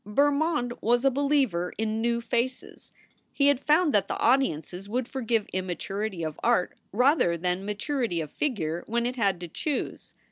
Bermond was a believer in "new faces." He had found that the audiences would forgive immaturity of art rather than maturity of figure when it had to choose.